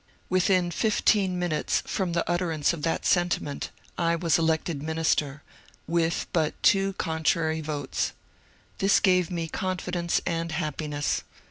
Within fifteen minutes from the utterance of that senti ment I was elected minister, with but two contrary votes. This gave me confidence and happiness.